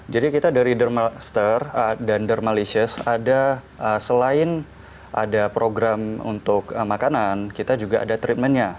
jadi kita dari dermaster dan dermalicious ada selain ada program untuk makanan kita juga ada treatmentnya